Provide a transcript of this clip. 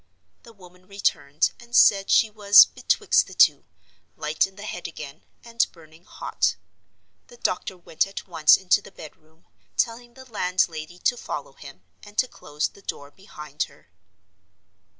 The woman returned, and said she was "betwixt the two, light in the head again, and burning hot." The doctor went at once into the bedroom, telling the landlady to follow him, and to close the door behind her.